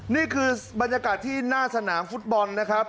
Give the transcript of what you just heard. นี่คือบรรยากาศที่หน้าสนามฟุตบอลนะครับ